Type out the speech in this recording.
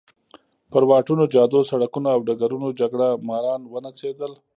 پر واټونو، جادو، سړکونو او ډګرونو جګړه ماران ونڅېدل.